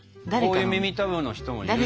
こういう耳たぶの人もいるでしょ。